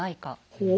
ほう。